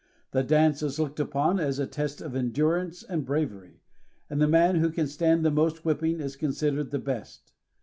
The dance is looked upon as a test of endurance and bravery, and the man who can stand the most whipping is considered the best.